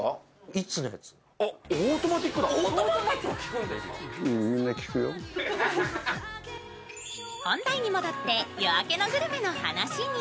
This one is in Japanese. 本題に戻って「夜明けのグルメ」の話に。